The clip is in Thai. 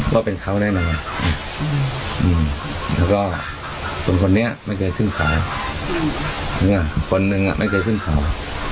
ว่าเป็นเขาแน่นอนแล้วก็คนคนนี้ไม่เคยขึ้นเขาคนหนึ่งไม่เคยขึ้นเขา